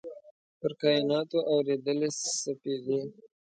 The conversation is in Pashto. پر کایناتو اوريدلي سپیدې